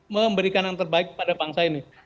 memberikan yang terbaik pada bangsa ini